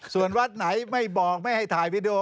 ส่วนวัดไหนไม่บอกไม่ให้ถ่ายวีดีโอ